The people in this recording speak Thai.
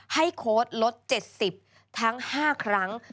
โค้ดลด๗๐ทั้ง๕ครั้ง